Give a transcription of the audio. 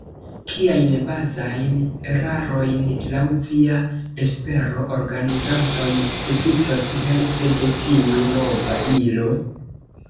Kiajn bazajn erarojn, laŭ via espero, organizantoj evitos helpe de tiu nova ilo?